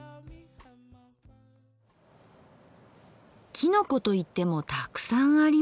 きのこといってもたくさんあります。